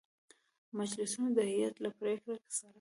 مجلسینو د هیئت له پرېکړې سـره